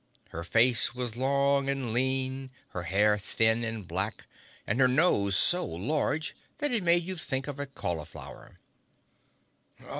Her face was long and lean, her hair thin and black and her nose so large that it made you think of a cauliflower.